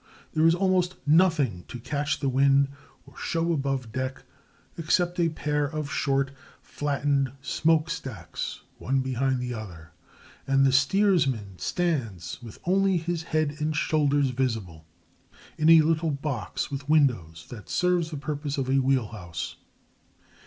There is almost nothing to catch the wind or show above deck except a pair of short, flattened smoke stacks, one behind the other; and the steersman stands, with only his head and shoulders visible, in a little box with windows that serves the purpose of a wheel house.